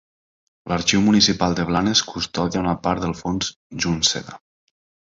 L'Arxiu Municipal de Blanes custodia una part del fons Junceda.